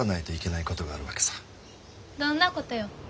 どんなことよ？